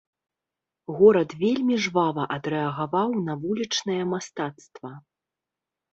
Горад вельмі жвава адрэагаваў на вулічнае мастацтва.